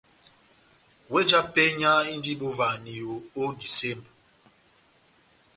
Weh já penya indi bovahaniyo ó disemba.